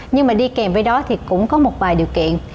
nhưng mà đi kèm với đó thì cũng có một vài điều kiện